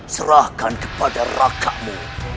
serahkan kepada rakamu